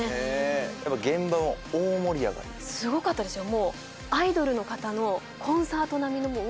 すごかったですよ。